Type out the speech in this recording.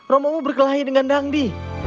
romomu berkelahi dengan dangdi